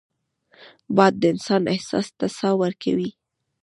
باد د انسان احساس ته ساه ورکوي